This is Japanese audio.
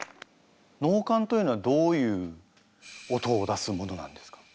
能管というのはどういう音を出す物なんですか？